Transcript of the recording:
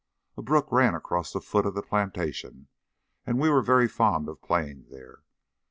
A brook ran across the foot of the plantation, and we were very fond of playing there.